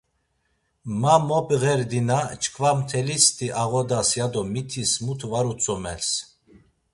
Ma mobğerdina çkva mtelisti ağodas ya do mitis mutu var utzumels.